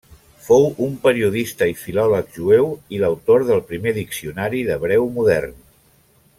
Fou un periodista i filòleg jueu i l'autor del primer diccionari d'hebreu modern.